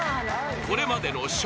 ［これまでの笑